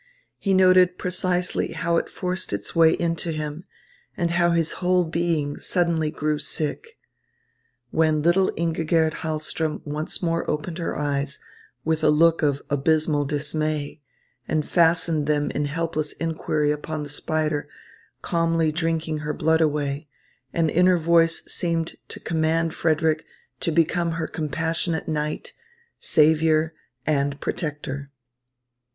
He noted precisely how it forced its way into him and how his whole being suddenly grew sick. When little Ingigerd Hahlström once more opened her eyes with a look of abysmal dismay, and fastened them in helpless inquiry upon the spider, calmly drinking her blood away, an inner voice seemed to command Frederick to become her compassionate knight, saviour, and protector.